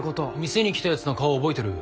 店に来たやつの顔は覚えてる。